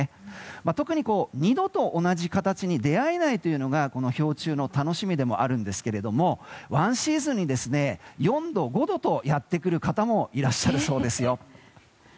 特に、二度と同じ形に出会えないというのがこの氷柱の楽しみでもあるんですけれどもワンシーズンに４度、５度とやってくる方もいらっしゃるそうですよ。